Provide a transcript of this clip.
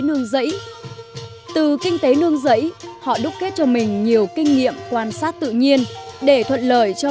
nương dẫy từ kinh tế nương giấy họ đúc kết cho mình nhiều kinh nghiệm quan sát tự nhiên để thuận lợi cho